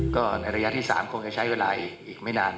ก็ในระยะที่๓คงจะใช้เวลาอีกไม่นาน